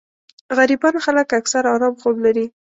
غريبان خلک اکثر ارام خوب لري